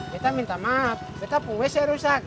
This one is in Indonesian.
kita minta maaf kita punggung wc rusak